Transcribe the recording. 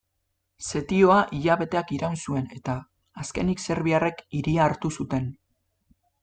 Setioa hilabeteak iraun zuen eta, azkenik serbiarrek hiria hartu zuten.